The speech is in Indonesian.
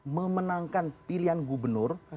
memenangkan pilihan gubernur